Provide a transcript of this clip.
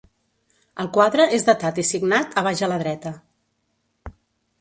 El quadre és datat i signat a baix a la dreta.